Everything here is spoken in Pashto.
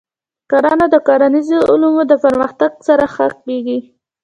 کرنه د کرنیزو علومو د پرمختګ سره ښه کېږي.